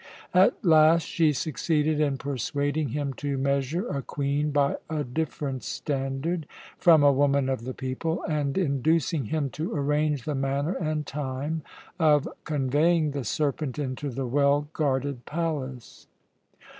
At last she succeeded in persuading him to measure a queen by a different standard from a woman of the people, and inducing him to arrange the manner and time of conveying the serpent into the well guarded palace.